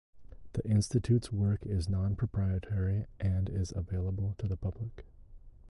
The Institute's work is non-proprietary, and is available to the public.